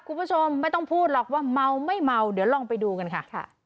คุณผู้ชมไม่ต้องพูดหรอกว่าเมาไม่เมาเดี๋ยวลองไปดูกันค่ะ